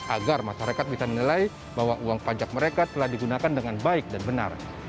agar masyarakat bisa menilai bahwa uang pajak mereka telah digunakan dengan baik dan benar